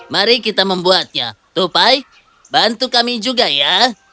mari kita membuatnya tupai bantu kami juga ya